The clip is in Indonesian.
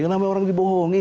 kenapa orang dibohongi